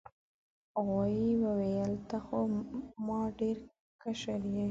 غوايي وویل ته خو تر ما ډیر کشر یې.